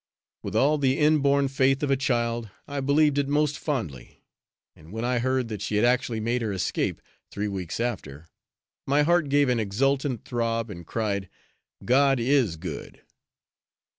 With all the inborn faith of a child, I believed it most fondly, and when I heard that she had actually made her escape, three weeks after, my heart gave an exultant throb and cried, "God is good!"